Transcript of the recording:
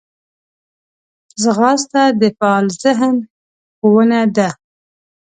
ځغاسته د فعال ذهن ښوونه ده